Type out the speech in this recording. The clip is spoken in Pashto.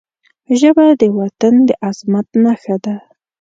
ژبه د وطن د عظمت نښه ده